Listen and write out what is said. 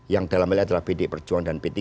yang dalamnya adalah bd perjuangan dan b tiga